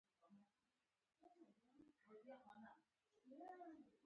پور اخيستونکی دې د زغم لمنه ټينګه کړي.